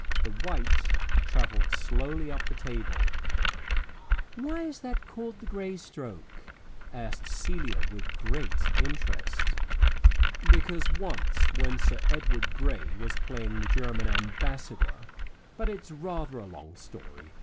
The white travelled slowly up the table. "Why is that called the Grey stroke?" asked Celia with great interest. "Because once, when Sir Edward Grey was playing the German Ambassador but it's rather a long story.